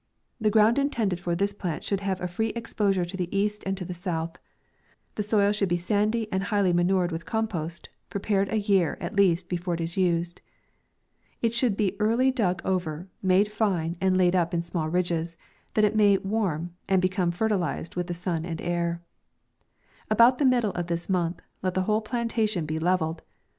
The ground intended for this plant should have a free exposure to the east and to the south. The soil should be sandy, and highly manu red wtih compost, prepared a year, at least, before it is used. It should be early dug over, made fine, and laid up in small ridges, that it may warm, and become fertilized with the sun and air. About the middle of this month, let the whole plantation be levelled.